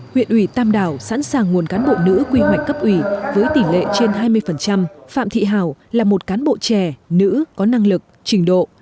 huyện ủy tam đảo sẵn sàng nguồn cán bộ nữ quy hoạch cấp ủy với tỷ lệ trên hai mươi phạm thị hào là một cán bộ trẻ nữ có năng lực trình độ